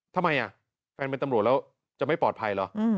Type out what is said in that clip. ทำไมแฟนเป็นตำรวจแล้วจะไม่ปลอดภัยเหรอ